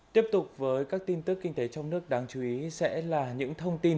tiếp tục với các tin tức kinh tế trong nước đáng chú ý sẽ là những thông tin